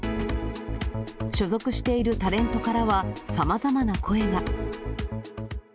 所属しているタレントからは、さまざまな声が。